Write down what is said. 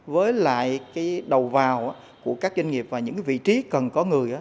với lại cái đầu vào của các doanh nghiệp và những vị trí cần có người làm việc đó